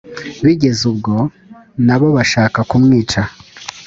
bigeze ubwo na bo bashaka kumwica